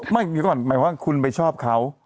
ไม่มีก่อนหมายว่าคุณไปชอบเขา